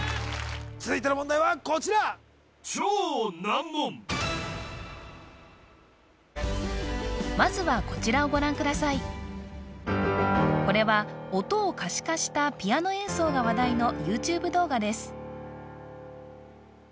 続いての問題はこちらまずはこれは音を可視化したピアノ演奏が話題のＹｏｕＴｕｂｅ動画です